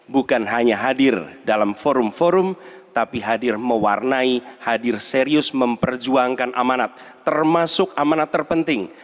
bukan hanya hadir dalam forum forum tapi hadir mewarnai hadir serius memperjuangkan amanat termasuk amanat terpenting